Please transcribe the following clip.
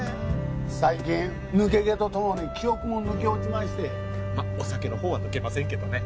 最近抜け毛とともに記憶も抜け落ちましてまっお酒のほうは抜けませんけどね